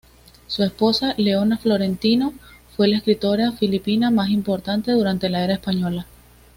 Su esposa, Leona Florentino, fue la escritora filipina más importante durante la era española.